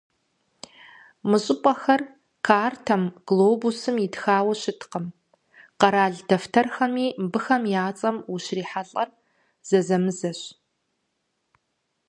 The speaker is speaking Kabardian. Мы щӏыпӏэхэр картэм, глобусым итхауэ щыткъым, къэрал дэфтэрхэми мыбыхэм я цӀэм ущыщрихьэлӀэр зэзэмызэщ.